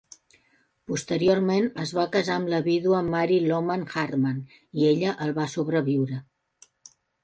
Posteriorment es va casar amb la vídua Mary Loman Hartman i ella el va sobreviure.